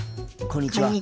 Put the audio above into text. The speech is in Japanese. こんにちは。